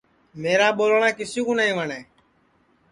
میرا ٻولٹؔا کِسی کُو نائی وٹؔے